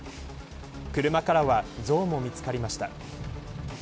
車からは像も見つかりました。